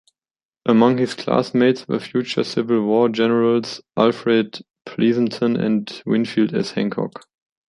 Among his classmates were future Civil War generals Alfred Pleasonton and Winfield S. Hancock.